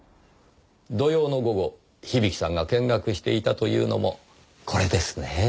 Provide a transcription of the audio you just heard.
土曜の午後響さんが見学していたというのもこれですね？